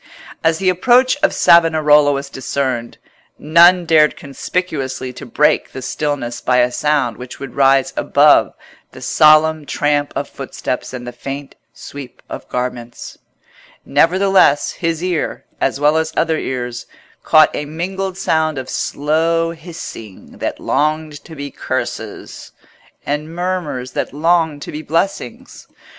As the approach of Savonarola was discerned, none dared conspicuously to break the stillness by a sound which would rise above the solemn tramp of footsteps and the faint sweep of garments; nevertheless his ear, as well as other ears, caught a mingled sound of slow hissing that longed to be curses, and murmurs that longed to be blessings.